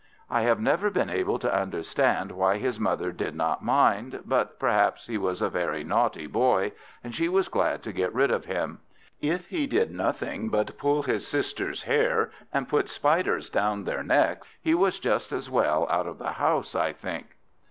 I have never been able to understand why his mother did not mind, but perhaps he was a very naughty Boy, and she was glad to get rid of him. If he did nothing but pull his sisters' hair, and put spiders down their necks, he was just as well out of the house, I think.